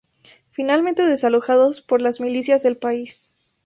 Finalmente desalojados por las milicias del país.